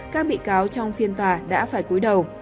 các bị cáo trong phiên tòa đã phải cuối đầu